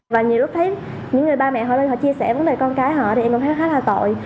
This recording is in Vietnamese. và nhiều lúc thấy những người ba mẹ họ chia sẻ vấn đề con cái họ thì em cũng thấy khá là tội